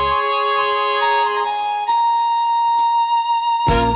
อินเตอร์